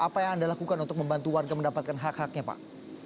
apa yang anda lakukan untuk membantu warga mendapatkan hak haknya pak